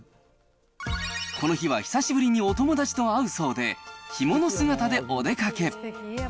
この日は久しぶりにお友達と会うそうで、着物姿でお出かけ。